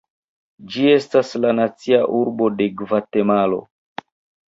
Ĝi estas la nacia arbo de Gvatemalo.